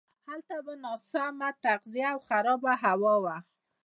هلته به ناسمه تغذیه او خرابه هوا وه.